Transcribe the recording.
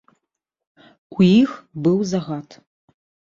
У іх быў загад.